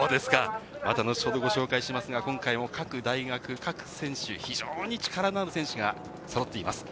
また後ほどご紹介しますが、各大学、各選手、非常に力のある選手が揃っています。